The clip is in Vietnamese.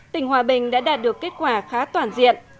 tỉnh hòa bình đã đạt được kết quả khá toàn diện